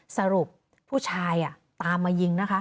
สรุปผู้ชายตามมายิงนะคะ